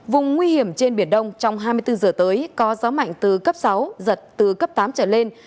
vùng nguy hiểm trên biển đông trong hai mươi bốn giờ tới có gió mạnh từ cấp sáu giật từ cấp tám trở lên